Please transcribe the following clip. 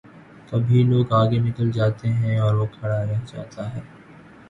کبھی لوگ آگے نکل جاتے ہیں اور وہ کھڑا رہ جا تا ہے۔